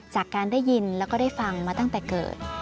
จากการได้ยินแล้วก็ได้ฟังมาตั้งแต่เกิด